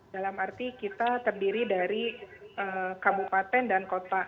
dalam arti kita terdiri dari kabupaten dan kota